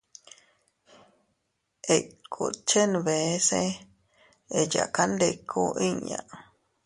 Ikut chenbese eyakandiku inña.